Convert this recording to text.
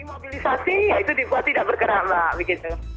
dimobilisasi ya itu dimbuat tidak bergerak mbak